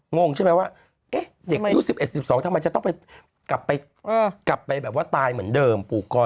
งงใช่ไหมว่าเด็กอายุ๑๑๑๒ทำไมจะต้องไปกลับไปแบบว่าตายเหมือนเดิมผูกคอ